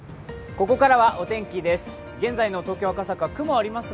ここからはお天気です。